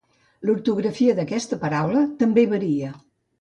L'ortografia d'aquesta paraula també varia.